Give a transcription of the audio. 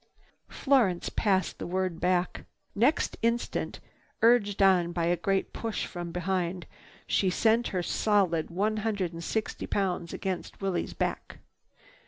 Florence passed the word back. Next instant, urged on by a great push from behind, she sent her solid one hundred and sixty pounds against Willie's back.